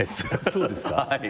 そうですか？